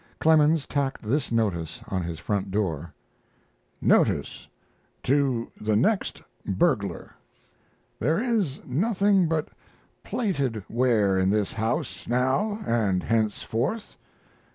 Clemens tacked this notice on his front door: NOTICE TO THE NEXT BURGLAR There is nothing but plated ware in this house now and henceforth.